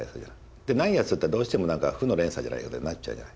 でないやつだとどうしても何か負の連鎖じゃないけどなっちゃうじゃない。